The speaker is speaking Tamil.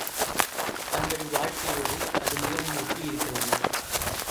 தங்கள் வாழ்க்கையோடு அது மிகவும் ஒட்டியிருக்கிறது.